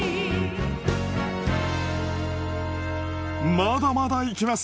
まだまだ行きます